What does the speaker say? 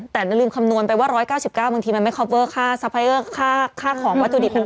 แต่ลืมคำนวณไปว่า๑๙๙บางทีมันไม่คอปเวอร์ค่าซัพยอร์ค่าของวัตถุดิบ